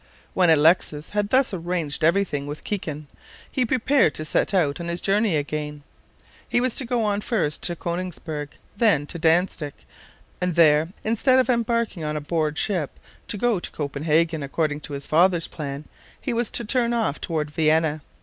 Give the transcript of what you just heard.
When Alexis had thus arranged every thing with Kikin, he prepared to set out on his journey again. He was to go on first to Konigsberg, then to Dantzic, and there, instead of embarking on board a ship to go to Copenhagen, according to his father's plan, he was to turn off toward Vienna.